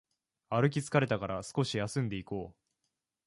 歩き疲れたから少し休んでいこう